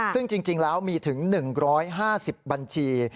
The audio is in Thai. ซึ่งจริงแล้วมีถึง๑๕๐บัญชี